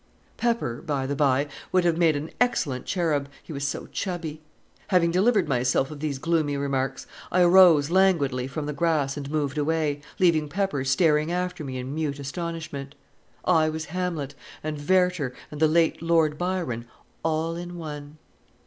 Pepper, by the by, would have made an excellent cherub, he was so chubby. Having delivered myself of these gloomy remarks, I arose languidly from the grass and moved away, leaving Pepper staring after me in mute astonishment. I was Hamlet and Werter and the late Lord Byron all in one.